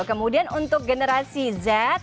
kemudian untuk generasi z